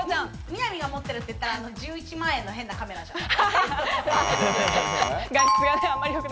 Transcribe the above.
みなみが持ってるって言ったら、１１万円のカメラじゃん。